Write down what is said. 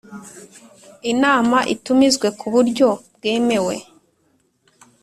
inama itumizwe ku buryo bwemewe